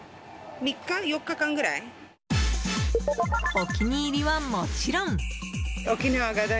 お気に入りはもちろん。